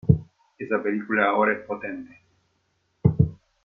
Esa película ahora es potente.